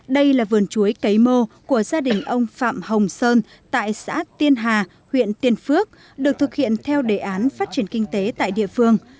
đây là vườn chuối cấy mô của gia đình ông phạm hồng sơn tại xã tiên hà huyện tiên phước được thực hiện theo đề án phát triển kinh tế tại địa phương